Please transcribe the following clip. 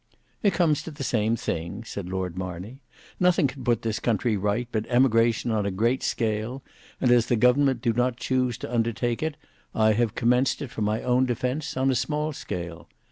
"It comes to the same thing," said Lord Marney. "Nothing can put this country right but emigration on a great scale; and as the government do not choose to undertake it, I have commenced it for my own defence on a small scale.